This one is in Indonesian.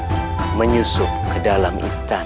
sedangkan aku akan masuk menyusup ke dalam istana